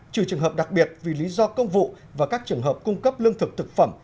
trừ trường hợp đặc biệt vì lý do công vụ và các trường hợp cung cấp lương thực thực phẩm